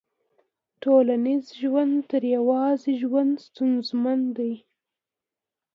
ټولنیز ژوند تر يوازي ژوند ستونزمن دی.